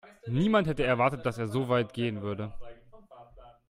Niemand hätte erwartet, dass er so weit gehen würde.